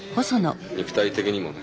肉体的にもね